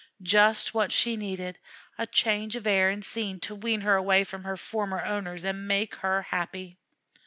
"Just what she needed: a change of air and scene to wean her away from her former owners and make her happy."